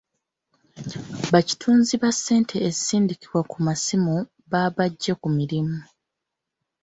Ba kitunzi ba ssente ezisindikibwa ku masimu baabaggye ku mirimu.